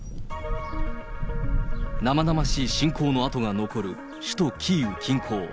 生々しい侵攻の跡が残る首都キーウ近郊。